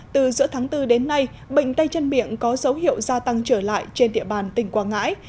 từ giữa tháng bốn đến nay bệnh tay chân miệng có dấu hiệu gia tăng trở lại trên địa bàn tỉnh quảng ngãi